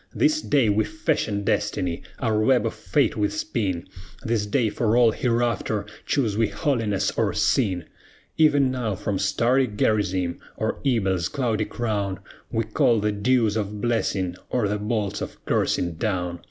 This day we fashion Destiny, our web of Fate we spin; This day for all hereafter choose we holiness or sin; Even now from starry Gerizim, or Ebal's cloudy crown, We call the dews of blessing or the bolts of cursing down!